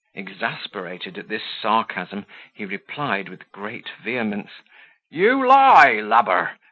Exasperated at this sarcasm, he replied, with great vehemence, "You lie, lubber!